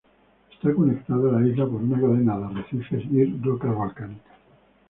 Está conectado a la isla por una cadena de arrecifes y rocas volcánicas.